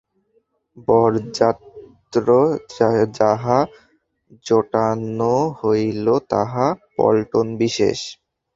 বরযাত্র যাহা জোটানো হইল তাহা পল্টনবিশেষ।